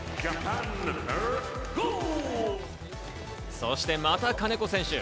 そして、また金子選手。